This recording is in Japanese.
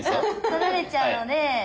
取られちゃうので。